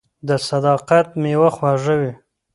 • د صداقت میوه خوږه وي.